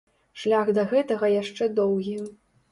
Шлях да гэтага яшчэ доўгі.